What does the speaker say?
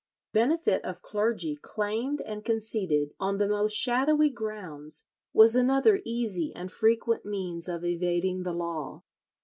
Benefit of clergy claimed and conceded on the most shadowy grounds was another easy and frequent means of evading the law.